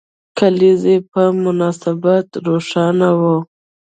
کلیزې په مناسبت روښانه وو.